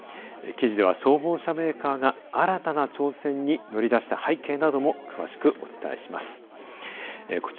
記事は消防車メーカーが新たな挑戦に乗りだした背景なども詳しくお伝えします。